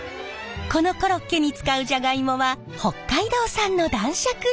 このコロッケに使うじゃがいもは北海道産の男爵イモ。